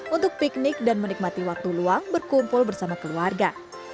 untuk piknik dan menikmati waktu luang berkumpul bersama keluarga